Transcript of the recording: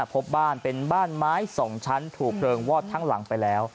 พบบ้านเป็นบ้านไม้๒ชั้นถูกเพลิงวอดทั้งหลังไปแล้ว